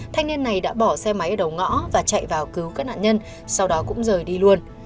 thanh niên này đã bỏ xe máy ở đầu ngõ và chạy vào cứu các nạn nhân sau đó cũng rời đi luôn